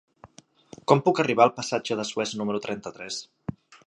Com puc arribar al passatge de Suez número trenta-tres?